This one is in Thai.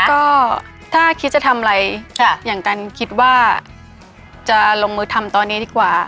ก็ถ้าคิดจะทำอะไรอย่างกันคิดว่าจะลงมือทำตอนนี้ดีกว่า